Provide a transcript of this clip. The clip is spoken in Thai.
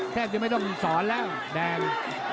แทบจะไม่ต้องสอนแล้วแดง